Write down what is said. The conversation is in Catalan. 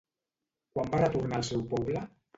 Quan va retornar al seu poble?